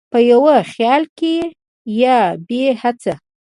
په یو خیال کې یا بې هېڅه،